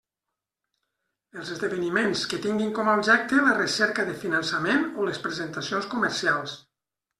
Els esdeveniments que tinguin com a objecte la recerca de finançament o les presentacions comercials.